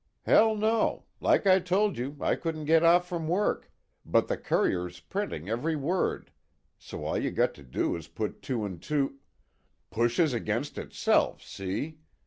"Hell no, like I told you, I couldn't get off from work, but the Courier's printing every word, so all you got to do is put two and two "" pushes against itself, see?